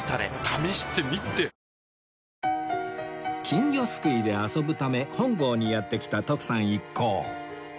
金魚すくいで遊ぶため本郷にやって来た徳さん一行